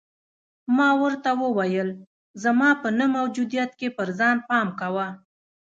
ما ورته وویل: زما په نه موجودیت کې پر ځان پام کوه.